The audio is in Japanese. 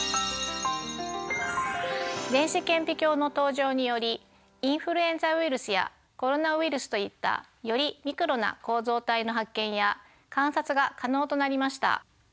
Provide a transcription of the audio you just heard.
電子顕微鏡の登場によりインフルエンザウイルスやコロナウイルスといったよりミクロな構造体の発見や観察が可能となりました。